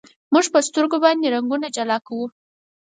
موږ په سترګو باندې رنګونه جلا کوو.